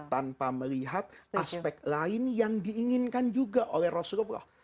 tanpa melihat aspek lain yang diinginkan juga oleh rasulullah